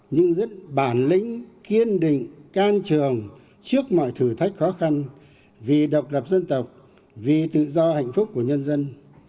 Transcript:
nhưng rất bản lĩnh kiên định can trường trước mọi thử thách khó khăn vì độc lập dân tộc vì tự do hạnh phúc của nhân dân